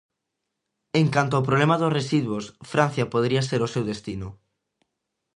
En canto ao problema dos residuos, Francia podería ser o seu destino.